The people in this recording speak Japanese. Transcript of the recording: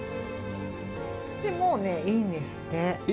もうね、いいんですって。